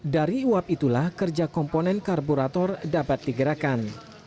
dari uap itulah kerja komponen karburator dapat digerakkan